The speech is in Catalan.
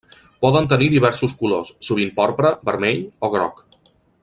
Poden tenir diversos colors, sovint porpra, vermell o groc.